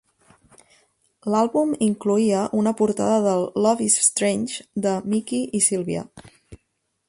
L'àlbum incloïa una portada del "Love Is Strange" de Mickey i Sylvia.